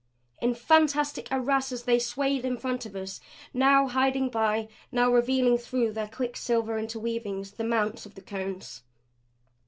In fantastic arrases they swayed in front of us now hiding by, now revealing through their quicksilver interweavings the mounts of the Cones.